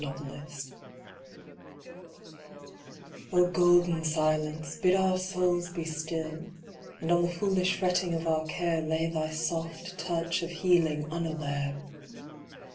SILENCE O GOLDEN Silence, bid our souls be still, And on the foolish fretting of our care Lay thy soft touch of healing unaware